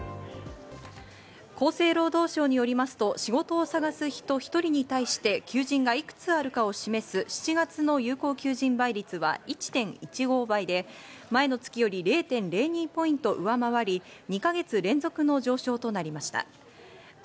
厚生労働省によりますと、仕事を探す人１人に対して求人がいくつかあるかを示す７月の有効求人倍率は１．１５倍で、前の月より０．０２ポイント上回り、２か月連続の上昇となりました。